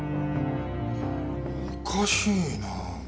おかしいな。